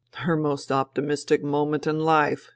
" Her most optimistic moment in life